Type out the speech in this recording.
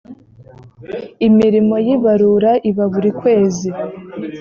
imirimo y’ ibarura iba burikwezi.